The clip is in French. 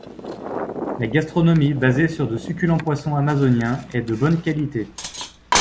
La gastronomie, basée sur de succulents poissons amazoniens, est de bonne qualité.